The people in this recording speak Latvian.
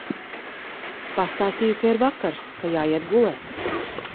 Pastāstīju, ka ir vakars, ka jāiet gulēt.